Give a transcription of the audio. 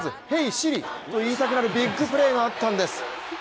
Ｓｉｒｉ！と言いたくなるビッグプレーがあったんです。